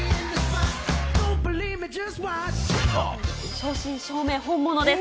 正真正銘、本物です。